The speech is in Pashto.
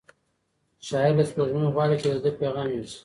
شاعر له سپوږمۍ غواړي چې د ده پیغام یوسي.